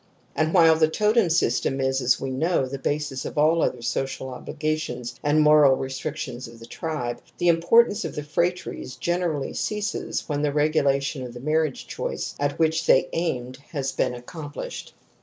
And while the totem system is, as we know, the basis of all other social obligations and moral restric tions of the tribe, the importance of the phratries I i THE SAVAGE'S DREAD OF INCEST 15 generally ceases when the regulation of the marriage choice at which they aimed has been accompUshed.